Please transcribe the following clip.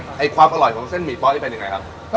ส่วนนี้ความอร่อยของเส้นหมี่ป๊อกจะเป็นอย่างไรครับ